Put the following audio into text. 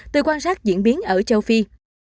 từ quan sát diễn biến ở châu phi